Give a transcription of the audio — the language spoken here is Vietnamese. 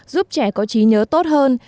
giúp trẻ có trí nhớ tốt hơn